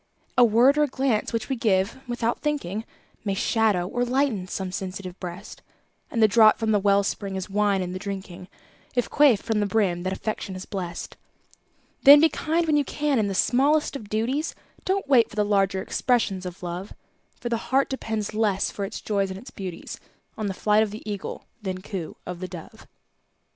A word or a glance which we give "without thinking", May shadow or lighten some sensitive breast; And the draught from the well spring is wine in the drinking, If quaffed from the brim that Affection has blest. Then be kind when you can in the smallest of duties, Don't wait for the larger expressions of Love; For the heart depends less for its joys and its beauties On the flight of the Eagle than coo of the Dove.